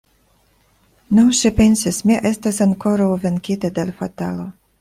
Nu, ŝi pensis, mi estas ankoraŭ venkita de l' fatalo.